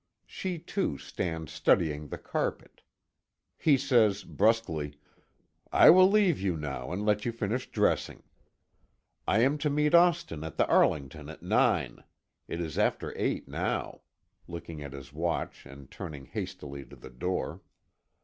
She, too, stands studying the carpet. He says, brusquely: "I will leave you now and let you finish dressing. I am to meet Austin at the Arlington at nine. It is after eight now," looking at his watch and turning hastily to the door.